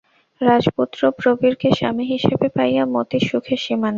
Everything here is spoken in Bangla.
রাজপুত্র প্রবীরকে স্বামী হিসাবে পাইয়া মতির সুখের সীমা নাই।